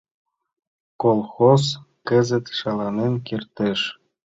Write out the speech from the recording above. Колхоз кызыт шаланен кертеш.